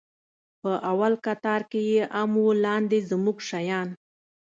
په اول کتار کښې يې ام و لاندې زموږ شيان.